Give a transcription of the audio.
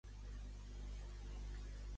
Com va actuar Aznar amb relació a Veneçuela?